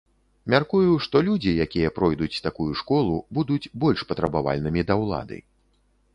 Мяркую, што людзі, якія пройдуць такую школу, будуць больш патрабавальнымі да ўлады.